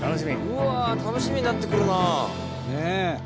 ・うわ楽しみになって来るな・ねぇ。